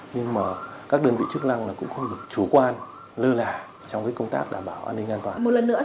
nhưng mà các đơn vị chức năng là cũng không được chủ quan lưu nả trong cái công tác đảm bảo an ninh an toàn